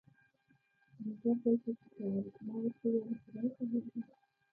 موټر دلته څه کول؟ ما ورته وویل: خدای پوهېږي.